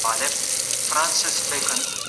کلي کي کتابتون نسته.